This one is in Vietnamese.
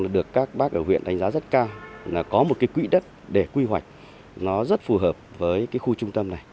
được các bác ở huyện đánh giá rất cao là có một cái quỹ đất để quy hoạch nó rất phù hợp với cái khu trung tâm này